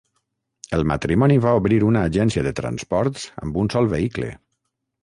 El matrimoni va obrir una agència de transports amb un sol vehicle.